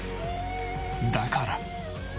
だから。